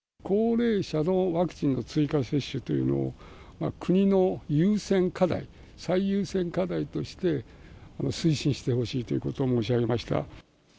高齢者のワクチンの追加接種というのを、国の優先課題、最優先課題として推進してほしいということを申し上げました。